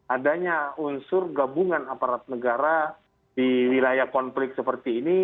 adanya unsur gabungan aparat negara di wilayah konflik seperti ini